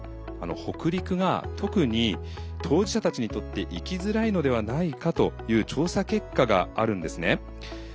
北陸が特に当事者たちにとって生きづらいのではないかという調査結果があるんですね。